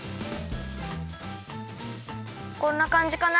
こんなかんじかな。